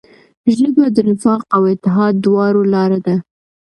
ژبه د نفاق او اتحاد دواړو لاره ده